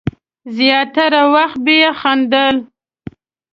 زیاتره وخت به یې خندل.